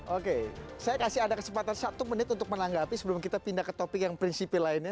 oke saya kasih ada kesempatan satu menit untuk menanggapi sebelum kita pindah ke topik yang prinsipil lainnya